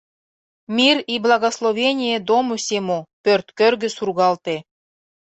— Мир и благословение дому сему! — пӧрт кӧргӧ сургалте.